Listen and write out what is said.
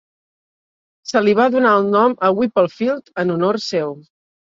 Se li va donar el nom a Whipple Field en honor seu.